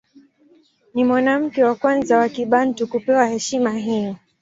Ni mwanamke wa kwanza wa Kibantu kupewa heshima hiyo.